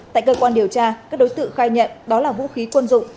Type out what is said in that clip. tại cơ quan điều tra các đối tượng khai nhận đó là vũ khí quân dụng